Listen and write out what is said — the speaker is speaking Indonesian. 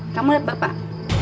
kamu lihat bapak